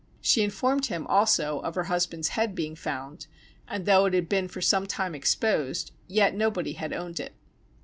She informed him also of her husband's head being found, and though it had been for some time exposed, yet nobody had owned it.